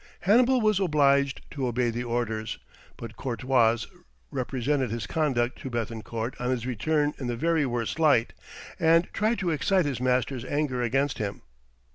Hannibal was obliged to obey the orders, but Courtois represented his conduct to Béthencourt on his return in the very worst light, and tried to excite his master's anger against him.